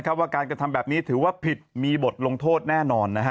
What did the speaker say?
ว่าการกระทำแบบนี้ถือว่าผิดมีบทลงโทษแน่นอน